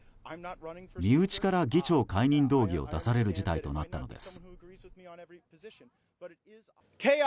身内から議長解任動議を出される事態となったのです。